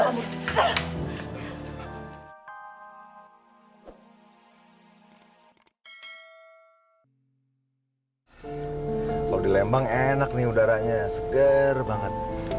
kalau di lembang enak nih udaranya segar banget